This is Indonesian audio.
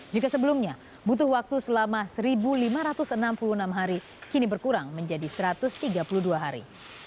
jika sebelumnya butuh waktu selama satu lima ratus enam puluh enam hari kini berkurang menjadi satu ratus tiga puluh dua hari